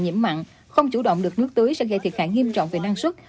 nhiễm mặn không chủ động được nước tưới sẽ gây thiệt hại nghiêm trọng về năng suất